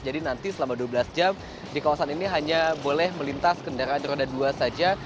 jadi nanti selama dua belas jam di kawasan ini hanya boleh melintas kendaraan roda dua saja